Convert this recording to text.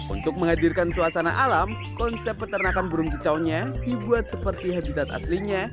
untuk menghadirkan suasana alam konsep peternakan burung kicaunya dibuat seperti habitat aslinya